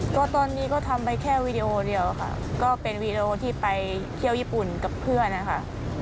ก็ตอนนี้ก็ทำไปแค่วีดีโอเดียวค่ะก็เป็นวีดีโอที่ไปเที่ยวญี่ปุ่นกับเพื่อนนะคะ